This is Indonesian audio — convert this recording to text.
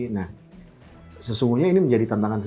nah sesungguhnya ini menjadi tantangan tersen